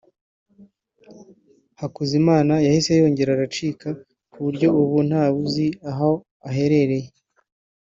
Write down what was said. Hakuzimana yahise yongera aracika ku buryo ubu ntawe uzi aho aherereye